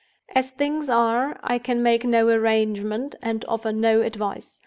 "As things are, I can make no arrangement, and offer no advice.